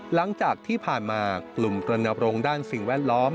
หลังจากที่ผ่านมากลุ่มรณบรงค์ด้านสิ่งแวดล้อม